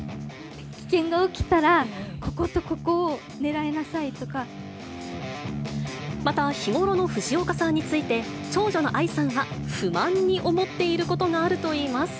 危険が起きたら、また、日頃の藤岡さんについて、長女の愛さんは、不満に思っていることがあるといいます。